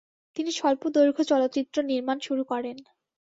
তিনি স্বল্পদৈর্ঘ্য চলচ্চিত্র নির্মাণ শুরু করেন।